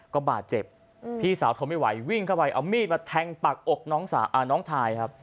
ก็บาดเจ็บพี่สาวทนไม่ไหววิ่งเข้าไปเอามีดมาแทงปากอกน้องชายครับ